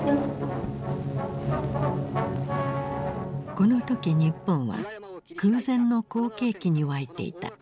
この時日本は空前の好景気に沸いていた。